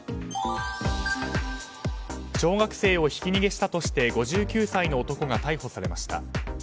小学生をひき逃げしたとして５９歳の男が逮捕されました。